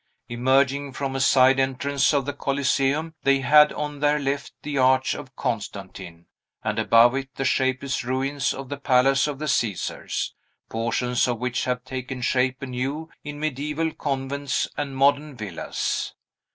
Emerging from a side entrance of the Coliseum, they had on their left the Arch of Constantine, and above it the shapeless ruins of the Palace of the Caesars; portions of which have taken shape anew, in mediaeval convents and modern villas.